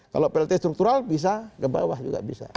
kalau plt struktural bisa ke bawah juga bisa